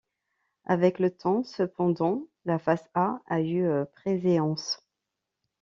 Avec le temps cependant, la face A a eu préséance.